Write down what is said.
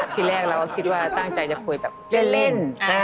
ที่แรกเราก็คิดว่าตั้งใจจะคุยแบบเล่น